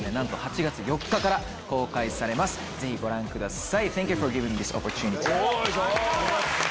ぜひご覧ください。